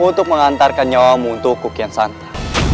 untuk mengantarkan nyawamu untuk kukian santa